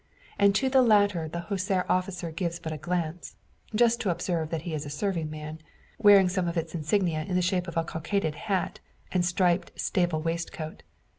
And to the latter the hussar officer gives but a glance just to observe that he is a serving man wearing some of its insignia in the shape of a cockaded hat, and striped stable waistcoat.